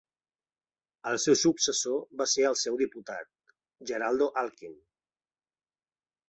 El seu successor va ser el seu diputat, Geraldo Alckmin.